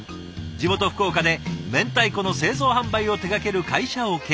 地元福岡で明太子の製造販売を手がける会社を経営。